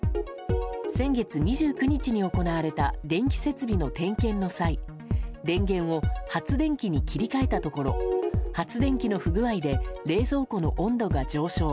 先月２９日に行われた電気設備の点検の際電源を発電機に切り替えたところ発電機の不具合で冷蔵庫の温度が上昇。